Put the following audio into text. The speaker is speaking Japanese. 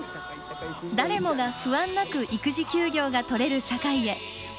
誰もが不安なく育児休業が取れる社会へ。